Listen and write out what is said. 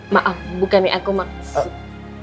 maaf bukan yang aku maksud